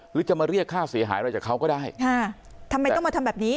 หรือจะมาเรียกค่าเสียหายอะไรจากเขาก็ได้ค่ะทำไมต้องมาทำแบบนี้